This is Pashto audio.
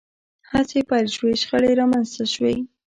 هڅې پیل شوې شخړې رامنځته شوې